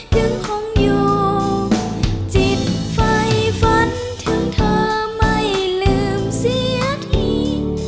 ยังคงอยู่จิตไฟฝันถึงเธอไม่ลืมเสียที